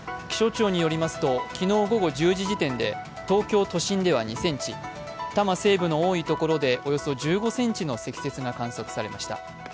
気象庁によりますと、昨日午後１０時時点で東京都心では２ｃｍ、多摩西部の多いところではおよそ１５ｃｍの積雪が観測されました。